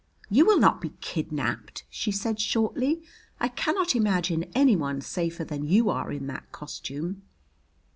"You will not be kidnaped," she said shortly. "I cannot imagine any one safer than you are in that costume."